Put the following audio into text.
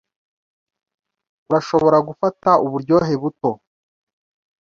Urashobora gufata uburyohe buto